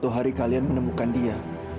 jangan sampai kalian menemukan dia